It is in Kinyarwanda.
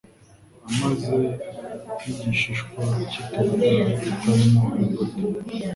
ameze nk'igishishwa cy'itunda ritarimo imbuto.